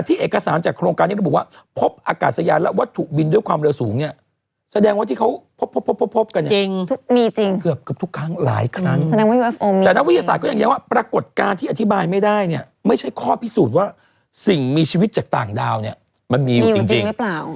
แต่ก็อย่างนี้ว่าปรากฏการณ์ที่อธิบายไม่ได้ไม่ใช่ข้อพิสูจน์ว่าสิ่งมีชีวิตจากต่างดาวมันมีอยู่จริง